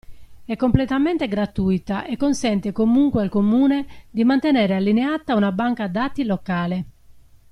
È completamente gratuita e consente comunque al Comune, di mantenere allineata una banca dati locale.